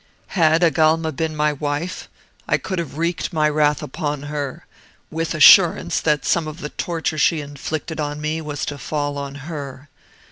Had Agalma been my wife, I could have wreaked my wrath upon her, with assurance that some of the torture she inflicted on me was to fall on her.